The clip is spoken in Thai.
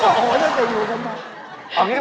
มึงจะอยู่กันเหรอ